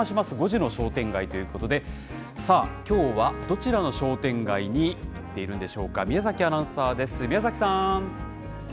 ５時の商店街ということで、さあ、きょうはどちらの商店街に行っているんでしょうか、宮崎アナウンサーです。